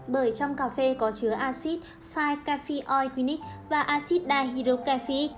bởi trong cà phê có chứa acid năm caffeoicinic và acid dihydrocaffeic